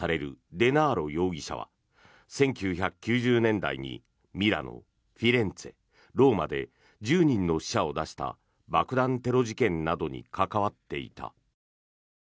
デナーロ容疑者は１９９０年代にミラノ、フィレンツェ、ローマで１０人の死者を出した爆弾テロ事件などに関わっていた。